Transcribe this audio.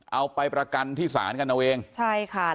เอาไปประกันที่ศานกันเอาเอง